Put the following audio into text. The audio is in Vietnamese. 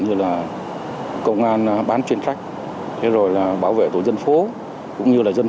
nhưng tại nhiều bất cập